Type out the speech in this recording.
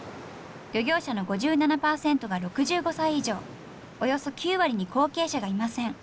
漁業者の５７％が６５歳以上およそ９割に後継者がいません。